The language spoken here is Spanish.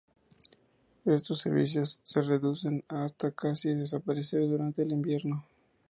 Estos servicios se reducen hasta casi desaparecer durante el invierno.